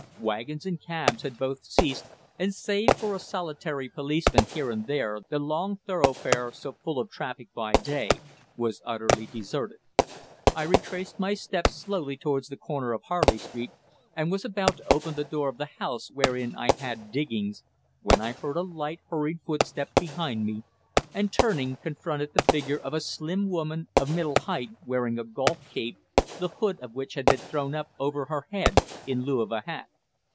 Wagons and cabs had both ceased, and save for a solitary policeman here and there the long thoroughfare, so full of traffic by day, was utterly deserted. I retraced my steps slowly towards the corner of Harley Street, and was about to open the door of the house wherein I had "diggings" when I heard a light, hurried footstep behind me, and turning, confronted the figure of a slim woman of middle height wearing a golf cape, the hood of which had been thrown over her head in lieu of a hat.